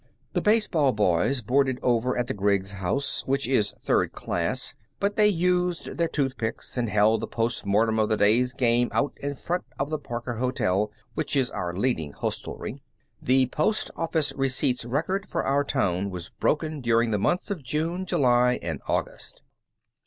The baseball boys boarded over at the Griggs House, which is third class, but they used their tooth picks, and held the postmortem of the day's game out in front of the Parker Hotel, which is our leading hostelry. The postoffice receipts record for our town was broken during the months of June, July, and August.